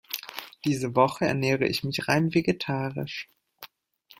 Diese Woche ernähre ich mich rein vegetarisch.